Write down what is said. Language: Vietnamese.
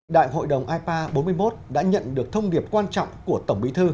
đại hội đồng ipa bốn mươi một đã nhận được thông điệp quan trọng của tổng bí thư